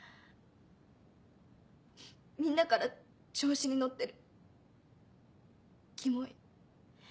みんなから「調子に乗ってる」「キモい」